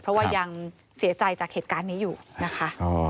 เพราะว่ายังเสียใจจากเหตุการณ์นี้อยู่นะคะ